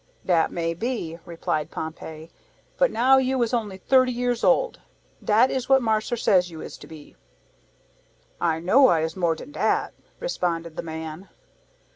"Dat may be," replied Pompey; "But now you is only thirty years old; dat is what marser says you is to be." "I know I is more den dat," responded the man.